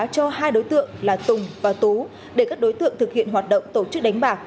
cho hai đối tượng là tùng và tú để các đối tượng thực hiện hoạt động tổ chức đánh bạc